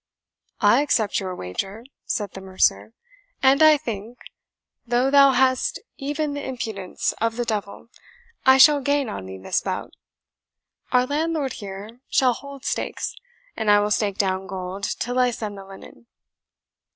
"I accept your wager," said the mercer; "and I think, though thou hadst even the impudence of the devil, I shall gain on thee this bout. Our landlord here shall hold stakes, and I will stake down gold till I send the linen."